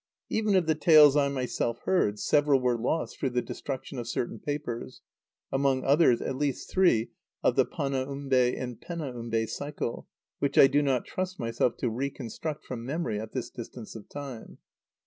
Even of the tales I myself heard, several were lost through the destruction of certain papers, among others at least three of the Panaumbe and Penaumbe Cycle, which I do not trust myself to reconstruct from memory at this distance of time.